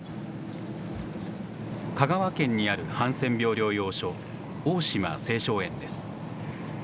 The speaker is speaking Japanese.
香川県にあるハンセン病療養所、大島青松園です。